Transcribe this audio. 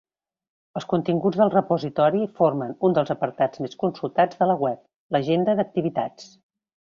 Els continguts del repositori formen un dels apartats més consultats de la Web: l'agenda d'activitats.